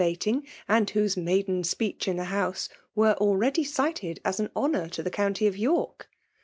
279 bear baitings and whose maiden speech in the House^ were already cited as an honour to the county of York